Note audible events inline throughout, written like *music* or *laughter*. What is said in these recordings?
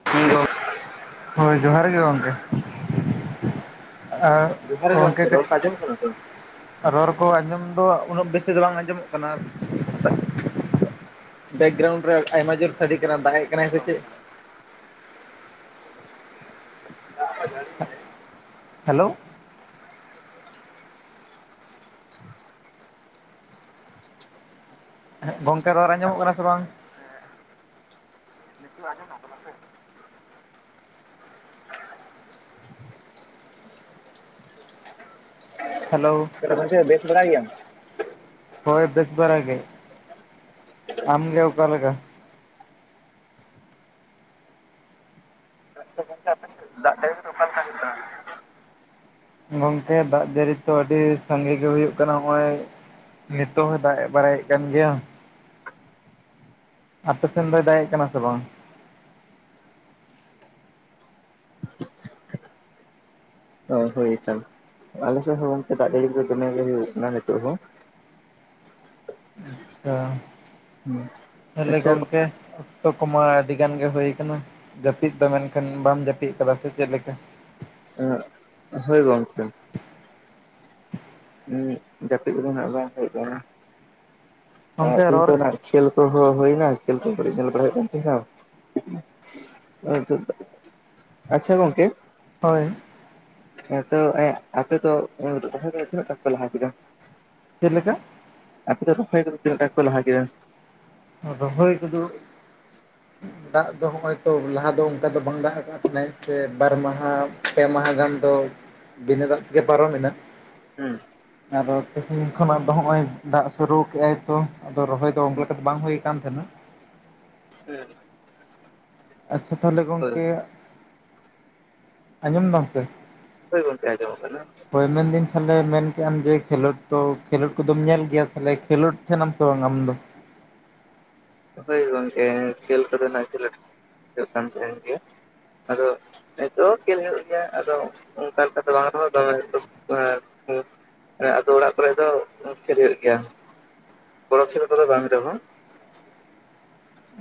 *unintelligible* ᱦᱳᱭ ᱡᱚᱦᱟᱨ ᱜᱮ ᱜᱚᱝᱠᱮ ᱟᱜ ᱡᱚᱦᱟᱨ ᱜᱮ ᱜᱚᱝᱠᱮ ᱠᱟᱹᱴ ᱨᱚᱲ ᱼᱼ ᱠᱚ ᱟᱸᱡᱚᱢᱚᱜ ᱠᱟᱱᱟ ᱛᱚ? ᱨᱚᱲ ᱠᱚ ᱟᱸᱡᱚᱢ ᱫᱚ ᱩᱱᱟᱹᱜ ᱵᱮᱥ ᱛᱮ ᱫᱚ ᱵᱟᱝ ᱟᱸᱡᱚᱢᱚᱜ ᱠᱟᱱᱟ᱾ ᱵᱮᱠᱜᱨᱟᱣᱩᱱᱰ ᱨᱮ ᱟᱭᱢᱟ ᱡᱳᱨ ᱥᱟᱰᱮ ᱠᱟᱱᱟ ᱫᱟᱜ ᱜᱮᱜ ᱠᱟᱱᱟᱭ ᱥᱮ ᱪᱮᱫ? *unintelligible* ᱦᱮᱞᱳᱼᱼ ᱦᱮᱸᱜ ᱜᱚᱝᱠᱮ ᱨᱚᱲ ᱟᱡᱚᱢᱚᱜ ᱠᱟᱱᱟ ᱥᱮ ᱵᱟᱝ? ᱱᱤᱛᱳᱜ ᱟᱸᱡᱚᱢᱚᱜ ᱠᱟᱱᱟ ᱥᱮ? ᱦᱮᱞᱳ *unintelligible* ᱜᱚᱢᱠᱮ ᱵᱮᱥ ᱵᱟᱲᱟᱭ ᱜᱮᱭᱟᱢ? ᱦᱳᱭ ᱵᱮᱥ ᱵᱟᱲᱟ ᱜᱮ ᱟᱢ ᱜᱮ ᱚᱠᱟ ᱞᱮᱠᱟ? *unintelligible* ᱟᱯᱮ ᱫᱟᱜ ᱡᱟᱹᱲᱤ ᱠᱚᱫᱚ ᱪᱮᱛ ᱞᱮᱠᱟ ᱦᱩᱭᱩᱜ ᱠᱟᱱᱟ? ᱜᱚᱝᱠᱮ ᱫᱟᱜ ᱡᱟᱹᱲᱤ ᱛᱚ ᱟᱹᱰᱤ ᱥᱟᱸᱜᱮ ᱜᱮ ᱦᱩᱭᱩᱜ ᱠᱟᱱᱟ ᱱᱚᱜ ᱚᱭᱼᱼ ᱱᱤᱛᱚᱜ ᱦᱚᱸ ᱫᱟᱜ ᱵᱟᱲᱟᱭᱮᱫ ᱠᱟᱱ ᱜᱮᱭᱟ᱾ ᱟᱯᱮ ᱥᱮᱱ ᱫᱚᱭ ᱫᱟᱲᱭᱟᱜ ᱠᱟᱱᱟ ᱥᱮ ᱵᱟᱝ? ᱚ ᱦᱳᱭ ᱠᱷᱟᱱ ᱟᱞᱮ ᱥᱮᱫ ᱦᱚᱸ ᱜᱚᱝᱠᱮ ᱫᱟᱜ ᱡᱟᱹᱲᱤ ᱫᱚ ᱫᱚᱢᱮ ᱜᱮ ᱦᱩᱭᱩᱜ ᱠᱟᱱᱟ ᱱᱤᱛᱚᱜ ᱦᱚᱸ ᱚᱻ ᱛᱟᱦᱞᱮ ᱟᱪᱪᱷᱟ ᱜᱚᱝᱠᱮ ᱡᱚᱛᱚ ᱠᱚᱢᱟ ᱟᱹᱰᱤ ᱜᱟᱱ ᱜᱮ ᱦᱩᱭᱩᱭᱟ ᱟᱠᱟᱱᱟ ᱡᱟᱹᱯᱤᱫ ᱫᱚ ᱢᱮᱱᱠᱷᱟᱱ ᱵᱟᱢ ᱡᱟᱹᱯᱤᱫ ᱟᱠᱟᱫᱟ ᱥᱮ ᱪᱮᱫ ᱞᱮᱠᱟ? ᱦᱮᱸ ᱦᱳᱭ ᱜᱚᱝᱠᱮ ᱦᱩᱸᱼᱼ ᱡᱟᱹᱯᱤᱫ ᱠᱚᱫᱚ ᱦᱟᱜ ᱵᱟᱝ ᱦᱩᱭᱩᱜ ᱠᱟᱱᱟ᱾ ᱜᱚᱝᱠᱮ ᱛᱤᱱ ᱨᱚᱲ ᱠᱷᱮᱞ ᱠᱚ ᱦᱩᱭᱱᱟ ᱠᱷᱮᱞ ᱠᱚ ᱧᱮᱞ ᱵᱟᱲᱟᱭ ᱠᱟᱱᱼᱼ *unintelligible* ᱟᱪᱪᱷᱟ ᱜᱚᱝᱠᱮᱼᱼ ᱦᱳᱭ? ᱦᱮᱸᱛᱚ ᱟᱯᱮ ᱫᱚ ᱞ ᱛᱤᱱᱟᱹᱜ ᱴᱟ ᱯᱮ ᱞᱟᱦᱟ ᱠᱮᱫᱟ? ᱪᱮᱫ ᱞᱮᱠᱟ? ᱟᱯᱮ ᱫᱚ ᱨᱚᱦᱚᱭ ᱠᱚᱫᱚ ᱛᱤᱱᱟᱜ ᱫᱟᱜ ᱞᱮ ᱞᱟᱦᱟ ᱠᱮᱫ? ᱨᱚᱦᱚᱭ ᱠᱚᱫᱚ ᱫᱟᱜ ᱫᱚ ᱦᱚᱜ ᱚᱭ ᱛᱚ ᱞᱟᱦᱟ ᱫᱚ ᱚᱱᱠᱟ ᱫᱚ ᱵᱟᱝ ᱫᱟᱜ ᱟᱠᱟᱫᱼᱼ ᱚᱱᱟ ᱤᱭᱟᱹ ᱛᱮ ᱵᱟᱨ ᱢᱟᱦᱟ ᱯᱮ ᱢᱟᱦᱟ ᱜᱟᱱ ᱫᱚ ᱵᱤᱱᱟᱹ ᱫᱟᱜ ᱜᱮ ᱯᱟᱨᱚᱢᱮᱱᱟ᱾ ᱦᱮᱸᱼᱼ ᱟᱫᱚ ᱛᱮᱦᱮᱧ ᱠᱷᱚᱱᱟᱜ ᱫᱚ ᱦᱚᱸᱜ-ᱚᱭ ᱫᱟᱜ ᱥᱩᱨᱩ ᱠᱮᱜ-ᱟᱭ ᱛᱚ, ᱟᱫᱚ ᱨᱚᱦᱚᱭ ᱫᱚ *inaudible* ᱠᱟ ᱫᱚ ᱵᱟᱝ ᱦᱩᱭ ᱠᱟᱱ ᱛᱟᱦᱮᱸᱱᱟ᱾ ᱦᱮᱸ᱾ ᱟᱪᱪᱷᱟ ᱛᱟᱦᱚᱞᱮ ᱜᱚᱝᱠᱮ, ᱟᱸᱡᱚᱢ ᱫᱟᱢ ᱥᱮ? ᱦᱳᱭ ᱜᱚᱝᱠᱮ ᱟᱸᱡᱚᱢᱚᱜ ᱠᱟᱱᱟ᱾ ᱦᱳᱭ ᱢᱮᱱᱫᱟᱹᱧ ᱛᱟᱦᱚᱞᱮ ᱢᱮᱱ ᱠᱮᱜ ᱟᱢ ᱡᱮ ᱠᱷᱮᱞᱳᱰ ᱫᱚ ᱠᱷᱮᱞᱳᱰ ᱠᱚᱫᱚᱢ ᱧᱮᱞ ᱜᱮᱭᱟ, ᱛᱟᱦᱚᱞᱮ ᱠᱷᱮᱞᱳᱰ ᱛᱟᱦᱮᱸᱱᱟᱢ ᱥᱮ ᱵᱟᱝ ᱟᱢ ᱫᱚ? ᱦᱳᱭ ᱜᱚᱝᱠᱮ ᱠᱷᱮᱞ ᱠᱚᱫᱚ ᱱᱟᱦᱟᱜ ᱠᱷᱮᱞᱳᱰ ᱦᱩᱭᱩᱜ ᱠᱟᱱ ᱛᱟᱦᱮᱸᱱ ᱜᱮᱭᱟ, ᱛᱚ ᱠᱷᱮᱞ ᱧᱮᱞ ᱦᱩᱭᱩᱜ ᱜᱮᱭᱟ ᱟᱫᱚ ᱚᱜᱠᱟ ᱞᱮᱠᱟ ᱫᱚ ᱵᱟᱝᱟ ᱨᱮᱦᱚᱸ ᱫᱚᱢᱮ *inaudible* *inaudible* ᱟᱫᱚ ᱚᱲᱟᱜ ᱠᱚᱨᱮᱜ ᱫᱚ ᱦᱳᱭᱳᱜ ᱜᱮᱭᱟ᱾ *inaudible* ᱠᱚ ᱫᱚ ᱵᱟᱝ ᱨᱮᱦᱚᱸ,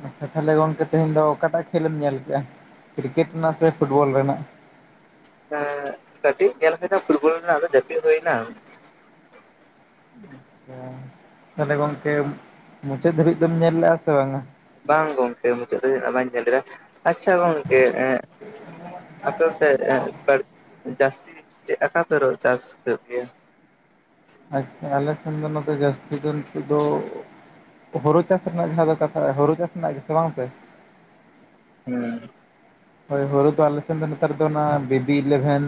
ᱟᱪᱪᱷᱟ ᱛᱟᱦᱚᱞᱮ ᱜᱚᱝᱠᱮ ᱛᱮᱦᱮᱧ ᱫᱚ ᱚᱠᱟᱴᱟᱜ ᱠᱷᱮᱞᱮᱢ ᱧᱮᱞ ᱠᱮᱜᱼᱟ, ᱠᱨᱤᱠᱮᱴ ᱨᱮᱱᱟᱜ ᱥᱮ ᱯᱷᱩᱴᱵᱚᱞ ᱨᱮᱱᱟᱜ? *inaudible* ᱠᱟᱹᱴᱤᱡ ᱧᱮᱞ ᱠᱮᱫᱟ ᱯᱷᱩᱴᱵᱚᱞ ᱨᱮᱱᱟᱜ ᱟᱫᱚ ᱡᱟᱯᱤᱫ ᱦᱩᱭᱱᱟ᱾ *inaudible* ᱛᱟᱦᱚᱞᱮ ᱜᱚᱝᱠᱮ, ᱢᱩᱪᱟᱹᱫ ᱫᱷᱟᱹᱵᱤᱡ ᱫᱚᱢ ᱧᱮᱞ ᱞᱮᱵᱼᱟ ᱥᱮ ᱵᱟᱝᱟ? ᱵᱟᱝ ᱜᱚᱝᱠᱮ ᱢᱩᱪᱟᱹᱫ ᱫᱷᱟᱹᱵᱤᱡ *inaudible* ᱵᱟᱧ ᱧᱮᱞ ᱞᱮᱫᱟ, ᱟᱪᱪᱷᱟ ᱜᱚᱝ ᱠᱮ ᱮᱸ, ᱟᱯᱮ ᱚᱱᱛᱮ *inaudible* ᱡᱟᱥᱛᱤ ᱪᱮᱫ ᱟᱠᱟ ᱯᱮ ᱨᱚᱦᱚ ᱪᱟᱥ ᱦᱳᱭᱳᱜ ᱜᱮᱭᱟ? ᱟᱪᱪᱷᱟ, ᱟᱞᱮ ᱥᱮᱱ ᱫᱚ ᱱᱚᱛᱮ ᱡᱟᱹᱥᱛᱤ ᱫᱚ ᱱᱤᱛᱚᱜ ᱫᱚ ᱦᱳᱨᱳ ᱪᱟᱥ ᱨᱮᱱᱟᱜ ᱡᱟᱦᱟᱸ ᱫᱚ ᱠᱟᱛᱷᱟ, ᱦᱳᱲᱳ ᱪᱟᱥ ᱨᱮᱱᱟᱜ ᱜᱮ ᱥᱮ ᱵᱟᱝ ᱜᱚᱝᱠᱮ? ᱦᱩᱸ᱾ ᱦᱳᱭ ᱦᱳᱲᱳ ᱫᱚ ᱟᱞᱮ ᱥᱮᱱ ᱫᱚ ᱱᱮᱛᱟᱨ ᱫᱚ ᱚᱱᱟ ᱵᱮᱵᱤ ᱤᱞᱮᱵᱷᱮᱱ,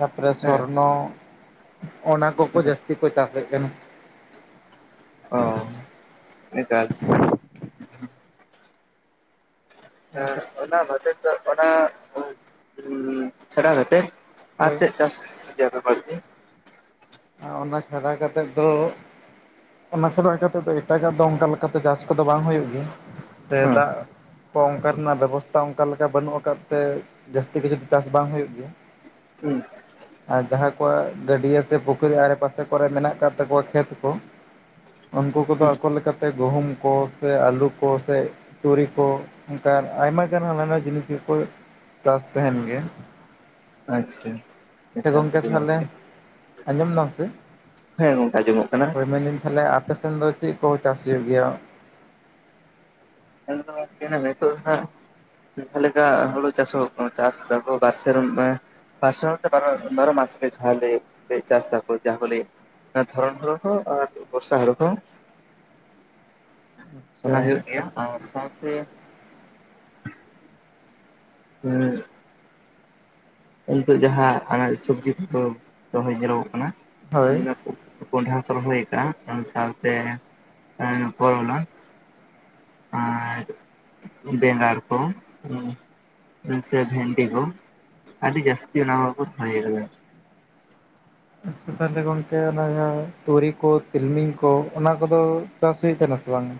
ᱛᱟᱨᱯᱚᱨᱮ ᱦᱮᱸ ᱥᱚᱨᱱᱚ, ᱚᱱᱟ ᱠᱚᱠᱚ ᱡᱟᱥᱛᱤ ᱠᱚ ᱪᱟᱥᱮᱜ ᱠᱟᱱᱟ᱾ ᱚᱻ, ᱮᱠᱟᱞ᱾ ᱮᱸ ᱜᱚᱝᱠᱮ ᱚᱱᱟ *inaudible* ᱚᱱᱟ ᱩᱸᱻ ᱪᱷᱟᱲᱟ ᱠᱟᱛᱮᱜ ᱟᱨ ᱦᱳᱭ ᱪᱮᱫ ᱪᱟᱥ ᱜᱮᱭᱟ ᱯᱮ ᱵᱟᱲᱛᱤ? ᱟᱸᱻ ᱚᱱᱟ ᱪᱷᱟᱰᱟ ᱠᱟᱛᱮᱫ ᱫᱚ ᱚᱱᱟ ᱪᱷᱟᱲᱟ ᱮ ᱠᱟᱛᱮᱜ ᱫᱚ ᱮᱴᱟᱜᱟᱜ ᱫᱚ ᱚᱝᱠᱟ ᱞᱮᱠᱟᱛᱮ ᱪᱟᱥ ᱠᱚᱫᱚ ᱵᱟᱝ ᱦᱩᱭᱩᱜ ᱜᱮᱭᱟ, ᱥᱮ ᱦᱮᱸ ᱫᱟᱜ ᱠᱚ ᱚᱝᱠᱟ ᱨᱮᱱᱟᱜ ᱵᱮᱵᱚᱥᱛᱷᱟ ᱚᱝᱠᱟ ᱞᱮᱠᱟ ᱵᱟᱹᱱᱩᱜ ᱟᱠᱟᱫ ᱛᱮ, ᱡᱟᱹᱥᱛᱤ ᱠᱤᱪᱷᱩ ᱪᱟᱥ ᱵᱟᱝ ᱦᱩᱭᱩᱜ ᱜᱮᱭᱟ? ᱦᱩᱸ᱾ ᱟᱨ ᱡᱟᱦᱟᱸᱭ ᱠᱚᱣᱟᱜ ᱜᱟᱹᱰᱤᱭᱟ ᱥᱮ ᱯᱩᱠᱷᱨᱤ ᱟᱲᱮ ᱯᱟᱥᱮ ᱠᱚ ᱨᱮ ᱢᱮᱱᱟᱜ ᱠᱟᱫ ᱛᱟᱠᱚᱣᱟ ᱠᱷᱮᱛ ᱠᱚ, ᱩᱱᱠᱩ ᱠᱚ ᱫᱚ ᱦᱩᱸ ᱟᱠᱚ ᱞᱮᱠᱟ ᱛᱮ ᱜᱩᱦᱩᱢ ᱠᱚ ᱥᱮ ᱟᱞᱩ ᱠᱚ ᱥᱮ ᱛᱩᱲᱤ ᱠᱚ, ᱚᱝᱠᱟᱱ ᱟᱭᱢᱟ ᱜᱟᱱ ᱦᱟᱱᱟ ᱱᱟᱣᱟ ᱡᱤᱱᱤᱥ ᱜᱮ ᱠᱚ ᱪᱟᱥ ᱛᱟᱦᱮᱸᱱ ᱜᱮ᱾ ᱟᱪᱪᱷᱟ ᱜᱚᱝᱠᱮ ᱛᱟᱦᱚᱞᱮ *inaudible* ᱟᱸᱡᱚᱢ ᱫᱟᱢ ᱥᱮ? ᱦᱮᱸ ᱜᱚᱝᱠᱮ ᱟᱸᱡᱚᱢᱚᱜ ᱠᱟᱱᱟ᱾ ᱦᱳᱭ ᱢᱮᱱᱫᱟᱹᱧ ᱛᱟᱦᱚᱞᱮ ᱟᱯᱮ ᱥᱮᱱ ᱫᱚ ᱪᱮᱫ ᱠᱚ ᱪᱟᱥ ᱦᱳᱭᱳᱜ ᱜᱮᱭᱟ? *inaudible* ᱱᱤᱛᱳᱜ ᱫᱚ ᱦᱟᱸᱜ, ᱚᱝᱠᱟ ᱞᱮᱠᱟ ᱦᱳᱲᱳ ᱪᱟᱥ ᱦᱚᱸ ᱪᱟᱥ ᱫᱟᱠᱚ ᱵᱟᱨ ᱥᱮᱨᱢᱟ, ᱵᱟᱨ ᱥᱮᱨᱢᱟ ᱛᱮ ᱵᱟᱨᱚ ᱵᱟᱨᱚ ᱢᱟᱥ *unintelligible* ᱪᱟᱥ ᱫᱟᱠᱚ ᱡᱟᱦᱟᱸ ᱠᱚ ᱞᱮᱭᱮᱫ᱾ ᱚᱱᱟ ᱫᱷᱚᱨᱚᱱ ᱦᱳᱲᱳ ᱠᱚ ᱟᱨ ᱵᱚᱨᱥᱟ ᱦᱳᱨᱳ ᱠᱚ᱾ *unintelligible* ᱟᱪᱪᱷᱟ ᱚᱱᱟ ᱦᱳᱭᱳᱜ ᱜᱮᱭᱟ ᱟᱨ ᱥᱟᱶ ᱛᱮ *inaudible* ᱦᱮᱜ ᱮ ᱱᱤᱛᱳᱜ ᱡᱟᱸᱦᱟ ᱟᱱᱟᱡ ᱥᱳᱵᱽᱡᱤ ᱠᱚ ᱨᱚᱦᱚᱭ ᱧᱮᱞᱚᱜᱚᱜ ᱠᱟᱱᱟ, ᱦᱳᱭ *inaudible* ᱠᱚᱸᱰᱷᱟ ᱠᱚ ᱨᱚᱦᱚᱭ ᱠᱟᱜ-ᱟ, ᱚᱱᱟ ᱥᱟᱶ ᱛᱮ *inaudible* ᱠᱚᱨᱚᱞᱟ᱾ ᱟᱨ ᱵᱮᱸᱜᱟᱲ ᱠᱚ ᱥᱮ ᱵᱷᱮᱱᱰᱤ ᱠᱚ᱾ ᱟᱹᱰᱤ ᱡᱟᱹᱥᱛᱤ ᱚᱱᱟ *inaudible* ᱨᱚᱦᱚᱭ ᱠᱟᱫᱟ᱾ ᱟᱪᱷᱟ ᱛᱟᱦᱚᱞᱮ ᱜᱚᱝᱠᱮ ᱚᱱᱟ ᱡᱟᱸᱦᱟᱸ ᱛᱩᱨᱤ ᱠᱚ, ᱛᱤᱞᱢᱤᱧ ᱠᱚ, ᱚᱱᱟ ᱠᱚ ᱫᱚ ᱪᱟᱥ ᱦᱩᱭ ᱟᱠᱟᱱᱟ ᱥᱮ ᱵᱟᱝ-ᱟ᱾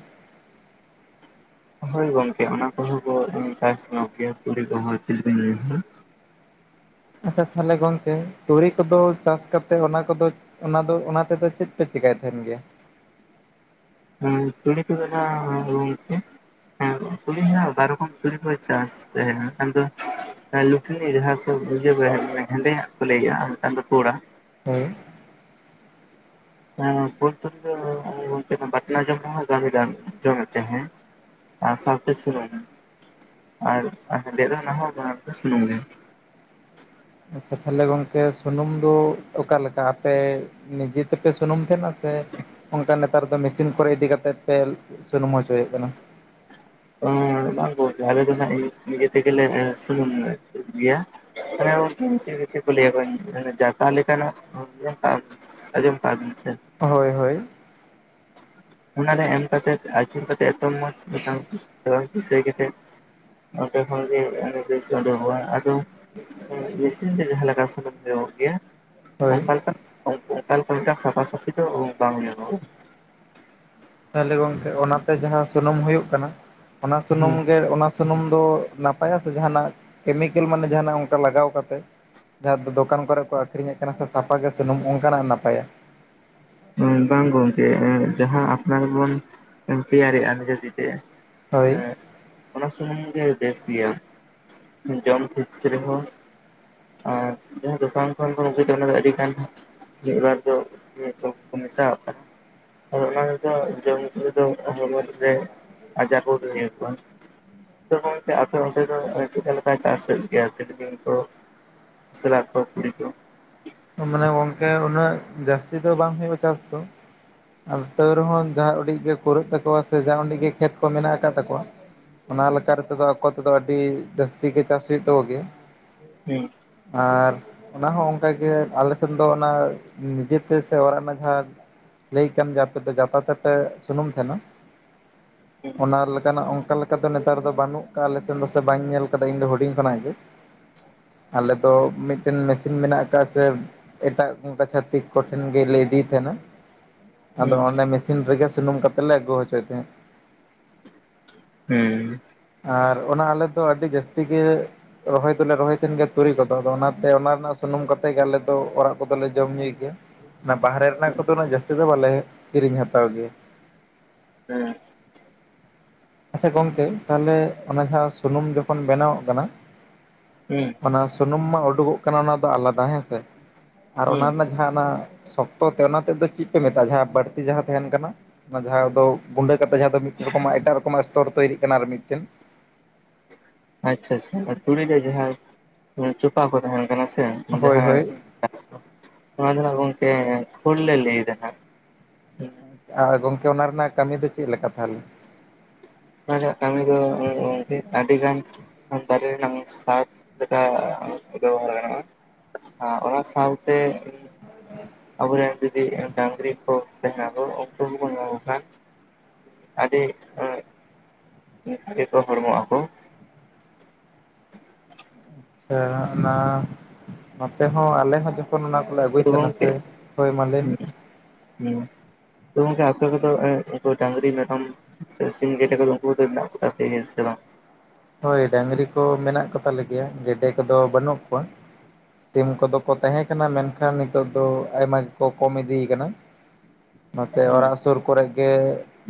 ᱦᱳᱭ ᱜᱚᱝᱠᱮ ᱚᱱᱟ ᱠᱚᱦᱚᱸ ᱠᱚ ᱪᱟᱥ ᱱᱚᱜ ᱜᱮᱭᱟ ᱛᱩᱲᱤ ᱠᱚᱦᱚ ᱛᱤᱞᱢᱤᱧ *inaudible* ᱟᱪᱷᱟ ᱛᱟᱦᱟᱞᱮ ᱜᱚᱝᱠᱮ ᱛᱩᱲᱤ ᱠᱚ ᱫᱚ ᱪᱟᱥ ᱠᱟᱛᱮᱫ ᱚᱱᱟ ᱠᱚ ᱫᱚ, ᱚᱱᱟ ᱫᱚ ᱚᱱᱟ ᱛᱮ ᱫᱚ ᱪᱮᱫ ᱯᱮ ᱪᱮᱠᱟᱭ ᱛᱟᱦᱮᱱ ᱜᱮᱭᱟ᱾ ᱦᱩᱸ ᱛᱩᱲᱤ ᱠᱚ ᱱᱟᱦᱟᱜ *inaudible* ᱮᱜ ᱛᱩᱲᱤ ᱦᱟᱸᱜ ᱵᱟᱨ ᱨᱚᱠᱚᱢ ᱛᱩᱲᱤ ᱠᱚ ᱪᱟᱥ ᱛᱟᱦᱮᱸᱜᱟ, ᱢᱤᱫ ᱴᱟᱝ ᱫᱚ ᱞᱩᱴᱱᱤ ᱡᱟᱸᱦᱟᱸ ᱠᱚ ᱤᱭᱟᱹ *inaudible* ᱦᱮᱸᱫᱮᱭᱟᱜ ᱠᱚ ᱞᱟᱹᱭᱟ ᱟᱨ ᱢᱤᱫ ᱴᱟᱝ ᱫᱚ ᱯᱳᱲᱟᱜ᱾ ᱦᱳᱭ ᱮᱜ *unintelligible* ᱨᱮ ᱫᱚ ᱜᱚᱢᱠᱮ ᱵᱟᱴᱱᱟ ᱡᱚᱢ ᱨᱮᱦᱚ ᱜᱟᱱ ᱡᱚᱢᱮᱫ ᱛᱟᱦᱮᱜ᱾ ᱟᱨ ᱥᱟᱶ ᱛᱮ ᱥᱩᱱᱩᱢ ᱟᱨ ᱦᱮᱸᱫᱮᱭᱟᱜ ᱫᱚ ᱦᱟᱱᱟ ᱦᱚᱸ ᱵᱟᱱᱟᱨ ᱜᱮ ᱥᱩᱱᱩᱢ ᱜᱮ᱾ ᱟᱪᱷᱟ ᱛᱟᱦᱟᱞᱮ ᱜᱚᱝᱠᱮ ᱥᱩᱱᱩᱢ ᱫᱚ ᱚᱠᱟ ᱞᱮᱠᱟ, ᱟᱯᱮ ᱱᱤᱡᱮ ᱛᱮᱯᱮ ᱥᱩᱱᱩᱢ ᱛᱟᱦᱮᱱᱟ ᱥᱮ ᱚᱱᱠᱟ ᱱᱮᱛᱟᱨ ᱫᱚ ᱢᱤᱥᱤᱱ ᱠᱚᱨᱮ ᱤᱫᱤ ᱠᱟᱛᱮᱫ ᱯᱮ ᱥᱩᱱᱩᱢ ᱦᱚᱪᱚᱭᱮᱫ ᱠᱟᱱᱟ᱾ *inaudible* ᱵᱟᱝ ᱜᱚᱢᱠᱮ ᱟᱞᱮ ᱫᱚ ᱦᱟᱸᱜ ᱱᱤᱡᱮ ᱛᱮᱜᱮᱞᱮ ᱥᱩᱱᱩᱢ ᱜᱮᱭᱟ᱾ *inaudible* ᱡᱟᱴᱟ ᱞᱮᱠᱟᱱᱟᱜ *inaudible* ᱟᱸᱡᱚᱢ ᱠᱟᱜ-ᱟ ᱵᱤᱱ ᱥᱮ᱾ ᱦᱳᱭ ᱦᱳᱭ ᱚᱱᱟᱨᱮ ᱮᱢ ᱠᱟᱛᱮᱫ ᱟᱹᱡᱩᱨ ᱠᱟᱛᱮᱫ ᱮᱛᱚ ᱢᱚᱸᱡᱽ *inaudible* ᱠᱩᱥᱟᱹᱭ ᱠᱟᱛᱮᱫ᱾ ᱟᱨ ᱯᱮ ᱦᱚᱲ ᱜᱮ ᱩᱱᱤ ᱯᱤᱥ ᱳᱰᱳᱠᱚᱜ-ᱟ ᱟᱫᱚ᱾ ᱦᱩᱸ ᱢᱤᱥᱤᱱ ᱛᱮ ᱡᱟᱸᱦᱟ ᱞᱮᱠᱟ ᱥᱩᱱᱩᱢ ᱞᱮ ᱩᱲᱩᱠᱚᱜ ᱜᱮᱭᱟ, ᱦᱳᱭ ᱚᱱᱠᱟ ᱞᱮᱠᱟᱱ ᱚᱱᱠᱟ ᱞᱮᱠᱟᱱ ᱢᱤᱫ ᱴᱟᱝ ᱥᱟᱯᱷᱟ ᱥᱟᱹᱯᱷᱤ ᱫᱚ ᱚᱱᱠᱟᱱ *inaudible* ᱛᱟᱦᱟᱞᱮ ᱜᱚᱝᱠᱮ ᱚᱱᱟᱛᱮ ᱡᱟᱸᱦᱟᱸ ᱥᱩᱱᱩᱢ ᱦᱩᱭᱩᱜ ᱠᱟᱱᱟ ᱚᱱᱟ ᱥᱩᱱᱩᱢ ᱜᱮ ᱚᱱᱟ ᱥᱩᱱᱩᱢ ᱫᱚ ᱱᱟᱯᱟᱭᱟ ᱥᱮ ᱡᱟᱸᱦᱟᱱᱟᱜ ᱠᱮᱢᱤᱠᱮᱞ ᱢᱟᱱᱮ ᱡᱟᱸᱦᱟᱱᱟᱜ ᱚᱝᱠᱟ ᱞᱟᱜᱟᱣ ᱠᱟᱛᱮ ᱡᱟᱸᱦᱟ ᱫᱚ ᱫᱚᱠᱟᱱ ᱠᱚᱨᱮ ᱠᱚ ᱟᱠᱷᱨᱤᱧᱮᱫ ᱠᱟᱱᱟ ᱥᱮ ᱥᱟᱯᱟ ᱜᱮ ᱥᱩᱱᱩᱢ ᱚᱱᱠᱟᱱᱟᱜ ᱱᱟᱯᱟᱭᱟ᱾ ᱵᱟᱝ ᱜᱚᱝᱠᱮ ᱡᱟᱸᱦᱟᱸ ᱟᱯᱱᱟᱨ ᱵᱚᱱ ᱛᱮᱭᱟᱨᱮᱜᱼᱟ ᱱᱤᱡᱮ ᱛᱤ ᱛᱮ᱾ ᱦᱳᱭ ᱦᱩᱸ ᱚᱱᱟ ᱥᱩᱱᱩᱢ ᱜᱮ ᱵᱮᱥ ᱜᱮᱭᱟ ᱡᱚᱢ ᱠᱷᱮᱛᱨᱮ ᱦᱚᱸ᱾ ᱟᱨ ᱡᱟᱸᱦᱟᱸ ᱫᱚᱠᱟᱱ ᱠᱷᱚᱱ ᱵᱚᱱ ᱟᱹᱜᱩᱭᱮᱫᱟ ᱚᱱᱟ ᱫᱚ ᱟᱹᱰᱤ ᱜᱟᱱ ᱢᱤᱫ ᱵᱟᱨ ᱫᱚ *inaudible* ᱠᱚ ᱢᱮᱥᱟᱣᱟᱜ ᱠᱟᱱᱟ᱾ ᱦᱳᱭ ᱚᱱᱟ ᱨᱮᱫᱚ ᱡᱚᱢ ᱧᱩ ᱨᱮᱫᱚ ᱦᱚᱲᱢᱚ ᱨᱮ ᱟᱡᱟᱨ ᱠᱚ *inaudible* *inaudible* ᱦᱚᱭ ᱛᱮ ᱟᱯᱮ ᱚᱱᱰᱮ ᱫᱚ ᱪᱮᱫᱠᱟ ᱞᱮᱠᱟ ᱪᱟᱥ ᱦᱩᱭᱩᱜ ᱜᱮᱭᱟ ᱥᱮ ᱫᱤᱱ ᱠᱚ ᱥᱞᱟᱴ ᱠᱚ ᱠᱩᱰᱤ ᱠᱚ ᱢᱟᱱᱮ ᱜᱚᱝᱠᱮ ᱩᱱᱟᱹᱜ ᱡᱟᱹᱥᱛᱤ ᱫᱚ ᱵᱟᱝ ᱦᱩᱭᱩᱜ-ᱟ ᱪᱟᱥ ᱫᱚ᱾ ᱟᱫᱚ ᱛᱟᱹᱣ ᱨᱮᱦᱚᱸ ᱡᱟᱸᱦᱟᱸ ᱚᱰᱤᱡ ᱜᱮ ᱠᱩᱨᱟᱹᱜ ᱛᱟᱠᱚᱣᱟ ᱥᱮ ᱡᱟᱸᱦᱟᱸ ᱚᱰᱤᱡ ᱜᱮ ᱠᱷᱮᱛ ᱠᱚ ᱢᱮᱱᱟᱜ ᱟᱠᱟᱫ ᱛᱟᱠᱚᱣᱟ ᱚᱱᱟ ᱞᱮᱠᱟ ᱨᱮ ᱛᱮᱫᱚ ᱟᱠᱚ ᱛᱮᱫᱚ ᱟᱹᱰᱤ ᱡᱟᱹᱥᱛᱤ ᱜᱮ ᱪᱟᱥ ᱦᱩᱭᱩᱜ ᱛᱟᱠᱚ ᱜᱮ᱾ ᱦᱩᱸ ᱟᱨ ᱚᱱᱟ ᱦᱚᱸ ᱚᱱᱠᱟ ᱜᱮ᱾ ᱟᱞᱮ ᱥᱮᱱ ᱫᱚ ᱚᱱᱟ ᱱᱤᱡᱮ ᱛᱮ ᱥᱮ ᱚᱲᱟᱜ ᱨᱮᱱᱟᱜ ᱡᱟᱸᱦᱟᱸ ᱞᱟᱹᱭ ᱟᱠᱟᱜ ᱟᱢ ᱡᱮ ᱟᱯᱮ ᱫᱚ ᱡᱟᱛᱟ ᱛᱮᱯᱮ ᱥᱩᱱᱩᱢ ᱛᱟᱦᱮᱸᱱᱟ ᱦᱩᱸ ᱚᱱᱟ ᱞᱮᱠᱟᱱᱟᱜ ᱚᱱᱠᱟ ᱞᱮᱠᱟ ᱚᱱᱠᱟ ᱫᱚ ᱱᱮᱛᱟᱨ ᱫᱚ ᱵᱟᱹᱱᱩᱜ ᱟᱠᱟᱫ-ᱟ ᱟᱞᱮ ᱥᱮᱫ ᱫᱚ ᱥᱮ ᱵᱟᱹᱧ ᱧᱮᱞ ᱟᱠᱟᱫᱟ ᱤᱧ ᱫᱚ ᱦᱩᱰᱤᱧ ᱠᱷᱚᱱᱟᱜ ᱜᱮ᱾ ᱟᱞᱮ ᱫᱚ ᱢᱤᱫᱴᱮᱱ ᱢᱮᱥᱤᱱ ᱢᱮᱱᱟᱜ ᱟᱠᱟᱜ-ᱟ ᱥᱮ ᱮᱴᱟᱜ ᱚᱱᱠᱟ ᱪᱷᱟᱛᱤᱠ ᱠᱚᱴᱷᱮᱱ ᱜᱮᱞᱮ ᱤᱫᱤᱭ ᱛᱟᱦᱮᱸᱱᱟ ᱟᱫᱚ ᱚᱸᱰᱮ ᱢᱤ ᱥᱤᱱ ᱨᱮᱜᱮ ᱥᱩᱱᱩᱢ ᱠᱟᱛᱮ ᱞᱮ ᱟᱹᱜᱩ ᱦᱚᱪᱚᱭ ᱛᱟᱦᱮᱸᱫ ᱾ ᱦᱩᱸ ᱾ ᱟᱨ ᱚᱱᱟ ᱟᱞᱮ ᱫᱚ ᱟᱹᱰᱤ ᱡᱟᱹᱥᱛᱤ ᱜᱮ ᱨᱚᱦᱚᱭ ᱫᱚᱞᱮ ᱨᱚᱦᱚᱭ ᱛᱟᱦᱮᱱ ᱜᱮᱭᱟ ᱛᱩᱲᱤ ᱠᱚᱫᱚ ᱟᱫᱚ ᱚᱱᱟᱛᱮ ᱚᱱᱟ ᱨᱮᱱᱟᱜ ᱥᱩᱱᱩᱢ ᱠᱟᱛᱮ ᱜᱮ ᱟᱞᱮ ᱛᱚ ᱚᱲᱟᱜ ᱠᱚᱫᱚᱞᱮ ᱡᱚᱢ ᱧᱩᱭ ᱜᱮᱭᱟ ᱚᱱᱟ ᱵᱟᱦᱨᱮ ᱨᱮᱱᱟᱜ ᱦᱩᱸ ᱠᱚᱫᱚ ᱩᱱᱟᱜ ᱡᱟᱹᱥᱛᱤ ᱫᱚ ᱵᱟᱞᱮ ᱠᱤᱨᱤᱧ ᱦᱟᱛᱟᱣ ᱜᱮᱭᱟ ᱾ ᱦᱮᱸ ᱾ ᱟᱪᱪᱷᱟ ᱜᱚᱝᱠᱮ ᱛᱟᱦᱚᱞᱮ ᱚᱱᱟ ᱡᱟᱦᱟᱸ ᱥᱩᱱᱩᱢ ᱡᱚᱠᱷᱚᱱ ᱵᱮᱱᱟᱣᱚᱜ ᱠᱟᱱᱟ ᱦᱩᱸ ᱾ ᱚᱱᱟ ᱥᱩᱱᱩᱢ ᱢᱟ ᱩᱰᱩᱠᱚᱜ ᱠᱟᱱᱟ ᱚᱱᱟ ᱫᱚ ᱟᱞᱟᱫᱟ ᱦᱮᱸᱥᱮ ᱟᱨ ᱦᱩᱸ ᱚᱱᱟ ᱨᱮᱱᱟᱜ ᱡᱟᱦᱟᱸ ᱚᱱᱟ ᱥᱚᱠᱛᱚ ᱛᱮ ᱚᱱᱟ ᱛᱮᱫ ᱫᱚ ᱪᱮᱫ ᱯᱮ ᱢᱮᱛᱟᱜ-ᱟ ᱡᱟᱦᱟᱸ ᱵᱟᱹᱲᱛᱤ ᱡᱟᱦᱟᱸ ᱛᱟᱦᱮᱱ ᱠᱟᱱᱟ? ᱚᱱᱟ ᱡᱟᱦᱟᱸ ᱫᱚ ᱜᱩᱸᱰᱟᱹ ᱠᱟᱛᱮ ᱡᱟᱦᱟᱸ ᱫᱚ ᱢᱤᱫ ᱨᱚᱠᱚᱢᱟᱜ ᱮᱴᱟᱜ ᱨᱚᱠᱚᱢᱟᱜ ᱮᱥᱛᱚᱨ ᱛᱳᱭᱨᱤᱜ ᱠᱟᱱᱟ ᱟᱨ ᱢᱤᱫᱴᱮᱱ? ᱟᱪᱪᱷᱟ ᱟᱪᱪᱷᱟ ᱚᱱᱟ ᱛᱩᱲᱤᱨᱮ ᱡᱟᱦᱟᱸ ᱪᱚᱯᱟ ᱠᱚ ᱛᱟᱦᱮᱱ ᱠᱟᱱᱟ ᱥᱮ ᱦᱳᱭ ᱡᱟᱦᱟᱸ ᱦᱳᱭ ᱱᱚᱣᱟ ᱫᱚ ᱦᱟᱸᱜ ᱜᱚᱢᱠᱮ ᱠᱷᱩᱞ ᱞᱮ ᱞᱟᱹᱭ ᱮᱫᱟ ᱦᱟᱸᱜ ᱾ ᱟᱨ ᱜᱚᱢᱠᱮ ᱚᱱᱟ ᱨᱮᱱᱟᱜ ᱠᱟᱹᱢᱤ ᱫᱚ ᱪᱮᱫ ᱞᱮᱠᱟ ᱛᱟᱦᱚᱞᱮ? ᱚᱱᱟ ᱨᱮᱭᱟᱜ ᱠᱟᱹᱢᱤ ᱫᱚ ᱜᱚᱝᱠᱮ ᱟᱹᱰᱤ ᱜᱟᱱ ᱫᱟᱨᱮ ᱨᱮᱱᱟᱜ ᱥᱟᱨ ᱞᱮᱠᱟ ᱵᱮᱵᱚᱦᱟᱨ ᱜᱟᱱᱟᱜ‌-ᱟ ᱾ ᱟᱪᱪᱷᱟ ᱚᱱᱟ ᱥᱟᱶᱛᱮ ᱟᱵᱚᱨᱮᱱ ᱡᱩᱫᱤ ᱰᱟᱝᱨᱤ ᱠᱚ ᱛᱟᱦᱮᱸᱱᱟ ᱠᱚ ᱩᱱᱠᱩ ᱜᱮᱵᱚᱱ ᱮᱢᱟ ᱠᱚ ᱠᱷᱟᱱ ᱟᱹᱰᱤ ᱮᱸ ᱤᱱᱟᱹ *unintelligible* ᱜᱮᱠᱚ ᱦᱚᱲᱢᱚ ᱟᱠᱚ ᱾ ᱟᱪᱪᱷᱟ ᱚᱱᱟ ᱱᱚᱛᱮ ᱦᱚᱸ ᱟᱞᱮ ᱦᱚᱸ ᱡᱮᱢ ᱠᱷᱚᱱ ᱚᱱᱟ ᱠᱚᱞᱮ ᱛᱚ ᱟᱹᱜᱩᱭ ᱛᱟᱦᱮᱱᱟ ᱥᱮ, ᱜᱚᱝᱠᱮ ᱦᱳᱭ ᱢᱟ ᱞᱟᱹᱭ ᱢᱮ ᱦᱩᱸ ᱾ ᱦᱩᱸ, ᱛᱚ ᱜᱚᱢᱠᱮ ᱟᱯᱮ ᱠᱚᱫᱚ ᱩᱱᱠᱩ ᱰᱟᱝᱨᱤ ᱢᱮᱨᱚᱢ ᱥᱮ ᱥᱤᱢ, ᱜᱮᱰᱮ ᱠᱚᱫᱚ ᱩᱱᱠᱩ ᱠᱚᱫᱚ ᱢᱮᱱᱟᱜ ᱠᱚ ᱛᱟᱯᱮᱭᱟ ᱥᱮ ᱵᱟᱝ? ᱦᱳᱭ ᱰᱟᱹᱝᱨᱤ ᱠᱚ ᱢᱮᱱᱟᱜ ᱠᱚ ᱛᱟᱞᱮ ᱜᱮᱭᱟ ᱜᱮᱰᱮ ᱠᱚᱫᱚ ᱵᱟᱹᱱᱩᱜ ᱠᱚᱣᱟ ᱾ ᱥᱤᱢ ᱠᱚᱫᱚ ᱠᱚ ᱛᱟᱦᱮᱸ ᱠᱟᱱᱟ ᱢᱮᱱᱠᱷᱟᱱ ᱱᱤᱛᱚᱜ ᱫᱚ ᱟᱭᱢᱟ ᱜᱮᱠᱚ ᱠᱚᱢ ᱤᱫᱤ ᱟᱠᱟᱱᱟ ᱾ ᱱᱚᱛᱮ ᱦᱩᱸ ᱚᱲᱟᱜ ᱥᱳᱨ ᱠᱚᱨᱮ ᱜᱮ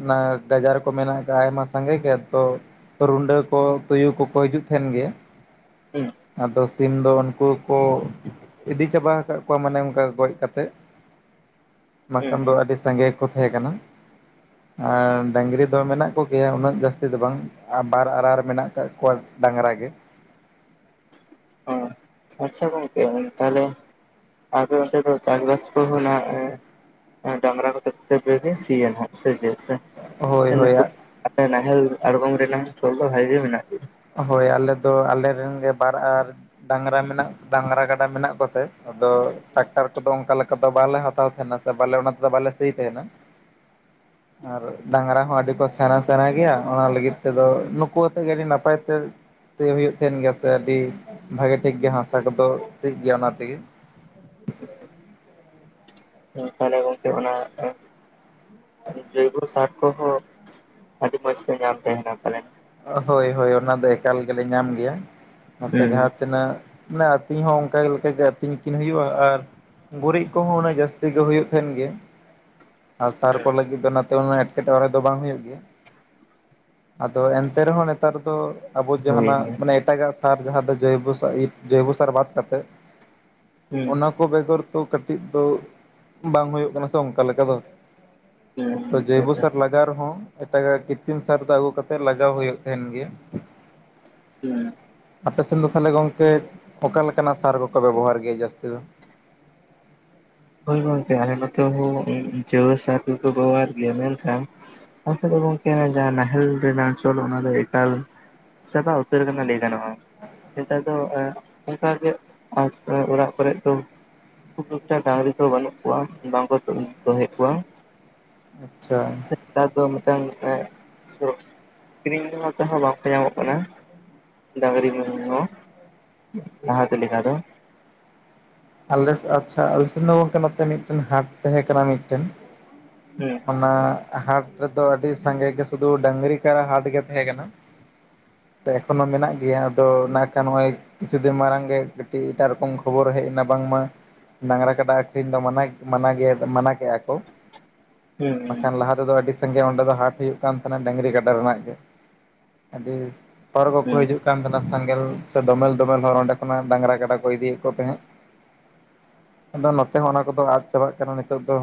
ᱚᱱᱟ ᱜᱟᱡᱟᱨ ᱠᱚ ᱢᱮᱱᱟᱜ ᱟᱠᱟᱜ-ᱟ ᱟᱭᱢᱟ ᱥᱟᱸᱜᱮ ᱜᱮ ᱛᱚ ᱨᱩᱰᱟᱹ ᱠᱚ ᱛᱩᱭᱩ ᱠᱚᱠᱚ ᱦᱤᱡᱩᱜ ᱛᱟᱦᱮᱱ ᱜᱮ, ᱦᱩᱸ ᱟᱫᱚ ᱥᱤᱢ ᱫᱚ ᱩᱱᱠᱩ ᱦᱚ ᱠᱚ ᱤᱫᱤ ᱪᱟᱵᱟ ᱟᱠᱟᱫ ᱠᱚᱣᱟ ᱢᱟᱱᱮ ᱚᱱᱠᱟ ᱜᱚᱡ ᱠᱟᱛᱮᱫ ᱾ ᱦᱩᱸ ᱵᱟᱝᱠᱷᱟᱱ ᱫᱚ ᱦᱩᱸ ᱟᱹᱰᱤ ᱥᱟᱸᱜᱮ ᱜᱮ ᱠᱚ ᱛᱟᱦᱮᱸ ᱠᱟᱱᱟ ᱾ ᱟᱨ ᱰᱟᱝᱨᱤ ᱫᱚ ᱢᱮᱱᱟᱜ ᱠᱚᱜᱮᱭᱟ ᱩᱱᱟᱹᱜ ᱡᱟᱹᱥᱛᱤ ᱫᱚ ᱵᱟᱝ ᱟ ᱵᱟᱨ ᱟᱨᱟᱨ ᱢᱮᱱᱟᱜ ᱟᱠᱟᱫ ᱠᱚᱣᱟ ᱰᱟᱸᱝᱨᱟ ᱜᱮ ᱾ ᱦᱚᱸ ᱟᱪᱪᱷᱟ ᱜᱚᱝᱠᱮ ᱛᱟᱦᱞᱮ ᱟᱯᱮ ᱚᱸᱰᱮ ᱫᱚ ᱪᱟᱥᱵᱟᱥ ᱠᱚᱦᱚᱸ ᱱᱟᱜ ᱰᱟᱸᱝᱨᱟ ᱠᱚᱛᱮ ᱜᱮᱯᱮ ᱥᱤᱭᱟ ᱱᱟᱦᱜ ᱥᱮ ᱪᱮᱫ ᱥᱮ ᱦᱳᱭ ᱥᱮ ᱦᱳᱭ ᱱᱤᱛᱚᱜ ᱟᱞᱮ ᱱᱟᱦᱮᱞ ᱟᱲᱜᱚᱢ ᱨᱮᱱᱟᱜ ᱪᱚᱞ ᱫᱚ ᱵᱷᱟᱜᱮ ᱜᱮ ᱢᱮᱱᱟᱜ ᱜᱮᱭᱟ? ᱦᱳᱭ ᱟᱞᱮ ᱫᱚ ᱟᱞᱮ ᱨᱮᱱ ᱜᱮ ᱵᱟᱨ ᱟᱨ ᱰᱟᱝᱨᱟ ᱢᱮᱱᱟᱜ ᱰᱟᱝᱨᱟ ᱠᱟᱰᱟ ᱢᱮᱱᱟᱜ ᱠᱚᱛᱮ ᱟᱫᱚ ᱴᱨᱟᱠᱴᱟᱨ ᱠᱚᱫᱚ ᱚᱱᱠᱟ ᱞᱮᱠᱟ ᱫᱚ ᱵᱟᱞᱮ ᱦᱟᱛᱟᱣ ᱛᱟᱸᱦᱮᱱᱟ ᱾ ᱛᱚ ᱵᱟᱞᱮ ᱚᱱᱟ ᱛᱮᱫᱚ ᱵᱟᱞᱮ ᱥᱤᱭ ᱛᱟᱦᱮᱱᱟ ᱾ ᱟᱨ ᱰᱟᱝᱨᱟ ᱦᱚᱸ ᱟᱹᱰᱤ ᱠᱚ ᱥᱮᱬᱟ ᱥᱮᱬᱟ ᱜᱮᱭᱟ ᱚᱱᱟ ᱞᱟᱹᱜᱤᱫ ᱛᱮᱫᱚ ᱱᱩᱠᱩ ᱟᱛᱮ ᱜᱮ ᱟᱹᱰᱤ ᱱᱟᱯᱟᱭ ᱥᱤ ᱦᱩᱭᱩᱜ ᱛᱟᱦᱮᱱ ᱜᱮᱭᱟ ᱥᱮ ᱟᱹᱰᱤ ᱵᱷᱟᱜᱮ ᱴᱷᱤᱠ ᱜᱮ ᱦᱟᱥᱟ ᱠᱚᱫᱚ ᱥᱤᱜ ᱜᱮᱭᱟ ᱚᱱᱟ ᱛᱮᱜᱮ ᱾ ᱛᱟᱦᱞᱮ ᱜᱚᱝᱠᱮ ᱚᱱᱟ ᱡᱳᱭᱵᱚ ᱥᱟᱨ ᱠᱚᱦᱚᱸ ᱟᱹᱰᱤ ᱢᱚᱡᱽ ᱯᱮ ᱧᱟᱢ ᱛᱟᱦᱮᱱᱟ ᱯᱟᱞᱮᱱ ᱾ ᱦᱳᱭ ᱦᱳᱭ ᱚᱱᱟ ᱫᱚ ᱮᱠᱟᱞ ᱜᱮᱞᱮ ᱧᱟᱢ ᱜᱮᱭᱟ ᱱᱚᱛᱮ ᱦᱩᱸ ᱡᱟᱦᱟᱸ ᱛᱮᱱᱟᱜ ᱢᱟᱱᱮ ᱟᱹᱛᱤᱧ ᱦᱚᱸ ᱚᱱᱠᱟᱜᱮ ᱞᱮᱠᱟᱜᱮ ᱟᱹᱛᱤᱧ ᱠᱤᱱ ᱦᱩᱭᱩᱜᱼᱟ ᱟᱨ ᱜᱩᱨᱤᱡ ᱠᱚᱦᱚᱸ ᱩᱱᱟᱹᱝ ᱡᱟᱹᱥᱛᱤ ᱜᱮ ᱦᱩᱭᱩᱜᱳ ᱛᱟᱦᱮᱱ ᱜᱮ ᱟᱨ ᱥᱟᱨ ᱠᱚ ᱞᱟᱹᱜᱤᱫ ᱫᱚ ᱚᱱᱟᱛᱮ ᱩᱱᱟᱹᱜ ᱮᱴᱠᱮᱴᱚᱬᱮ ᱫᱚ ᱵᱟᱝ ᱦᱩᱭᱩᱜ ᱜᱮᱭᱟ ᱾ ᱟᱫᱚ ᱮᱱᱛᱮ ᱨᱮᱦᱚᱸ ᱱᱮᱛᱟᱨ ᱫᱚ ᱟᱵᱚ ᱦᱳᱭ ᱡᱟᱦᱟᱱᱟᱜ ᱦᱳᱭ ᱢᱟᱱᱮ ᱮᱴᱟᱜᱟᱜ ᱥᱟᱨ ᱡᱟᱦᱟᱸ ᱫᱚ ᱡᱚᱭᱵᱚ ᱡᱚᱭᱵᱚ ᱥᱟᱨ ᱵᱟᱫ ᱠᱟᱛᱮ ᱦᱩᱸ *unintelligible* ᱟᱠ ᱠᱚ ᱵᱮᱜᱚᱨ ᱫᱚ ᱠᱟᱹᱴᱤᱡ ᱫᱚ ᱵᱟᱝ ᱦᱩᱭᱩᱜ ᱠᱟᱱᱟ ᱥᱮ ᱚᱱᱠᱟ ᱞᱮᱠᱟ ᱫᱚ ᱾ ᱦᱩᱸ ᱛᱚ ᱡᱚᱭᱵᱩ ᱥᱟᱨ ᱞᱟᱜᱟ ᱨᱦᱚᱸ ᱮᱴᱟᱜ-ᱟᱜ ᱠᱤᱛᱨᱤᱢ ᱥᱟᱨ ᱫᱚ ᱟᱜᱩ ᱠᱟᱛ ᱛᱮ ᱞᱟᱡᱟᱣ ᱦᱩᱭᱩᱜ ᱛᱟᱦᱮᱱ ᱜᱮᱭᱟ ᱾ ᱦᱩᱸ ᱟᱯᱮ ᱥᱮᱱ ᱫᱚ ᱛᱟᱦᱚᱞᱮ ᱜᱚᱝᱠᱮ ᱚᱠᱟ ᱞᱮᱠᱟᱱᱟᱜ ᱥᱟᱨ ᱠᱚᱠᱚ ᱵᱮᱵᱚᱦᱟᱨ ᱜᱮᱭᱟ ᱡᱟᱹᱥᱛᱤ ᱫᱚ? ᱦᱳᱭ ᱜᱚᱝᱠᱮ ᱟᱞᱮ ᱱᱚᱛᱮ ᱦᱚᱸ ᱡᱩᱣᱟ ᱥᱟᱨ ᱜᱮᱠᱚ ᱵᱮᱵᱚᱦᱟᱨ ᱜᱮᱭᱟ ᱢᱮᱱᱠᱷᱟᱱ ᱟᱠᱷᱟ ᱫᱚ ᱜᱚᱝᱠᱮ ᱡᱟᱦᱟᱸ ᱱᱟᱦᱮᱞ ᱨᱮᱱᱟᱜ ᱪᱚᱞ ᱚᱱᱟ ᱫᱚ ᱮᱠᱟᱞ ᱥᱟᱵᱟ ᱩᱛᱟᱹᱨ ᱠᱟᱱᱟ ᱞᱟᱹᱭ ᱜᱟᱱᱚᱜᱼᱟ ᱱᱮᱛᱟᱨ ᱫᱚ ᱚᱱᱠᱟᱜ ᱜᱮ ᱚᱲᱟᱜ ᱠᱚᱨ ᱫᱚ ᱠᱷᱩᱠᱴᱟ ᱰᱟᱝᱨᱤ ᱠᱚ ᱵᱟᱹᱱᱩᱜ ᱠᱚᱣᱟ ᱵᱟᱝᱠᱚ ᱫᱚᱦᱚᱭᱮᱫ ᱠᱚᱣᱟ᱾ ᱟᱪ-ᱪᱷᱟ ᱱᱮᱛᱟᱨ ᱫᱚ ᱢᱤᱫᱴᱟᱝ ᱠᱤᱨᱤᱧ ᱛᱮᱦᱚᱸ ᱵᱟᱝᱠᱚ ᱧᱟᱢᱚᱜ ᱠᱟᱱᱟ ᱾ ᱰᱟᱝᱨᱤ ᱢᱮᱨᱚᱢ ᱡᱚᱝ ᱞᱟᱦᱟᱛᱮ ᱞᱮᱠᱟ ᱫᱚ᱾ ᱟᱞᱮ ᱥᱮ ᱟᱪ-ᱪᱷᱟ ᱟᱞᱮ ᱥᱮᱫ ᱫᱚ ᱜᱚᱝᱠᱮ ᱱᱚᱛᱮ ᱢᱤᱫᱴᱮᱱ ᱦᱟᱴ ᱛᱟᱦᱮᱸ ᱠᱟᱱᱟ ᱢᱤᱫᱴᱮᱱ᱾ ᱦᱩᱸ ᱚᱱᱟ ᱦᱟᱴ ᱨᱮᱫᱚ ᱟᱹᱰᱤ ᱥᱟᱸᱜᱮ ᱜᱮ ᱥᱩᱫᱩ ᱰᱟᱝᱨᱤ ᱠᱟᱨᱟ ᱦᱟᱴ ᱜᱮ ᱛᱟᱦᱮᱸ ᱠᱟᱱᱟ ᱾ ᱮᱠᱷᱚᱱᱚ ᱢᱮᱱᱟᱜ ᱜᱮᱭᱟ ᱟᱫᱚ ᱱᱟᱜ‌ ᱠᱷᱟᱱ ᱦᱳᱭ ᱠᱤᱪᱷᱩ ᱫᱤᱱ ᱢᱟᱲᱟᱝ ᱜᱮ ᱠᱟᱹᱴᱤᱡ ᱮᱴᱟᱜ ᱨᱚᱠᱚᱢ ᱠᱷᱚᱵᱚᱨ ᱦᱮᱡ ᱱᱟ ᱵᱟᱝᱢᱟ ᱰᱟᱝᱨᱟ ᱠᱟᱰᱟ ᱟᱹᱷᱨᱤᱧ ᱫᱚ ᱢᱟᱱᱟ ᱜᱮ ᱢᱟᱱᱟ ᱜᱮᱭᱟ ᱢᱟᱱᱟ ᱠᱮᱫ ᱦᱩᱸ ᱵᱟᱠᱷᱟᱱ ᱞᱟᱦᱟ ᱚᱸᱰᱮ ᱫᱚ ᱟᱹᱰᱤ ᱥᱟᱸᱜᱮ ᱚᱸᱰᱮ ᱫᱚ ᱦᱟᱴ ᱦᱩᱭᱩᱜ ᱠᱟᱱ ᱛᱟᱦᱮᱱᱟ ᱰᱟᱹᱝᱨᱤ ᱜᱟᱰᱟ ᱨᱮᱱᱟᱜ ᱜᱮ ᱟᱹᱰᱤ ᱦᱚᱲ ᱠᱚᱠᱚ ᱦᱩᱸ ᱦᱤᱡᱩᱜ ᱠᱟᱱ ᱛᱟᱦᱮᱱᱟ ᱥᱮᱸᱜᱮᱞ ᱥᱮ ᱫᱚᱢᱮᱞ ᱫᱚᱢᱮᱞ ᱦᱚᱲ ᱚᱸᱰᱮ ᱠᱷᱚᱱᱟᱜ ᱰᱟᱝᱨᱟ ᱠᱟᱰᱟ ᱠᱚ ᱤᱫᱤᱭᱮᱫ ᱠᱚ ᱛᱟᱦᱮᱸᱫ᱾ ᱟᱫᱚ ᱱᱚᱛᱮ ᱦᱚᱸ ᱚᱱᱟ ᱠᱚᱫᱚ ᱟᱫ ᱪᱟᱵᱟᱜ ᱠᱟᱱᱟ ᱱᱤᱛᱚᱜ ᱫᱚ᱾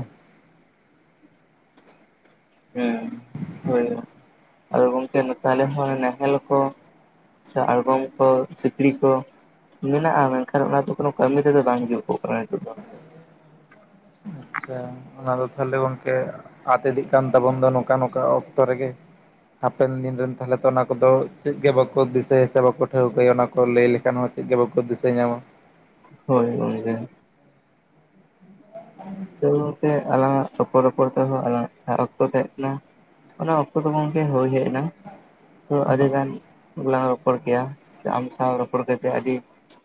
ᱦᱩᱸ ᱦᱳᱭ ᱟᱨ ᱜᱚᱝᱠᱮ ᱛᱟᱦᱞᱮ ᱦᱚᱸ ᱱᱟᱦᱮᱞ ᱠᱚ ᱥᱮ ᱟᱲᱜᱚᱢ ᱠᱚ ᱥᱤᱠᱲᱤ ᱠᱚ ᱢᱮᱱᱟᱜᱼᱟ᱾ ᱢᱮᱱᱠᱷᱟᱱ ᱚᱱᱟ ᱫᱚ ᱠᱳᱱᱳ ᱠᱟᱹᱢᱤ ᱛᱮᱫᱚ ᱵᱟᱝ ᱡᱤᱡᱩᱜᱚᱜ ᱠᱟᱱᱟ ᱱᱤᱛᱚᱜ ᱫᱚ᱾ *inaudible* ᱟᱪ-ᱪᱷᱟ ᱚᱱᱟ ᱫᱚ ᱛᱟᱦᱚᱞᱮ ᱜᱚᱝᱠᱮ ᱟᱫ ᱤᱫᱤᱜ ᱠᱟᱱ ᱛᱟᱵᱚᱱ ᱫᱚ ᱱᱚᱝᱠᱟ ᱱᱚᱝᱠᱟ ᱚᱠᱛᱚ ᱨᱮᱜᱮ᱾ ᱦᱟᱯᱮᱱ ᱫᱤᱱ ᱨᱮᱱ ᱛᱟᱦᱚᱞᱮ ᱛᱚ ᱚᱱᱟ ᱠᱚᱫᱚ ᱪᱮᱫ ᱜᱮ ᱵᱟᱠᱚ ᱫᱤᱥᱟᱹᱭᱟ ᱥᱮ ᱵᱟᱠᱚ ᱴᱷᱟᱹᱣᱠᱟᱹᱭᱟ ᱚᱱᱟ ᱠᱚ ᱞᱟᱹᱭ ᱞᱮᱠᱷᱟᱱ ᱦᱚᱸ᱾ ᱪᱮᱫ ᱜᱮ ᱵᱟᱠᱚ ᱫᱤᱥᱟᱹ ᱧᱟᱢᱟ᱾ ᱦᱳᱭ ᱦᱳᱭ *inaudible* *inaudible* ᱪᱛᱮ ᱟᱞᱟᱝᱟᱜ ᱨᱚᱯᱚᱲᱼ ᱨᱚᱯᱚᱲ ᱛᱮᱦᱚᱸ ᱟᱞᱟᱝᱟᱜ ᱛᱟᱦᱮᱸ ᱚᱠᱛᱚ ᱛᱟᱦᱮᱸ ᱠᱟᱱᱟ᱾ ᱚᱱᱟ ᱚᱠᱛᱚ ᱫᱚ ᱜᱚᱢᱠᱮ ᱦᱩᱭ ᱦᱮᱡ ᱮᱱᱟ᱾ ᱛᱚ ᱟᱹᱰᱤ ᱜᱟᱱᱞᱟ ᱨᱚᱯᱚᱲ ᱠᱮᱭᱟ ᱥᱮ ᱟᱢ ᱥᱟᱶ ᱨᱚᱯᱚᱲ ᱠᱟᱛᱮ ᱟᱹᱰᱤ